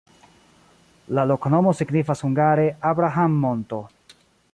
La loknomo signifas hungare: Abraham-monto.